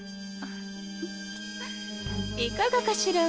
いかがかしら？